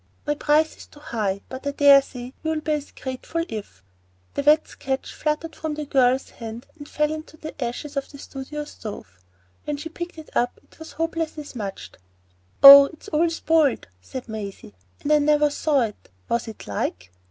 "My price is too high, but I dare say you'll be as grateful if——" The wet sketch, fluttered from the girl's hand and fell into the ashes of the studio stove. When she picked it up it was hopelessly smudged. "Oh, it's all spoiled!" said Maisie. "And I never saw it. Was it like?"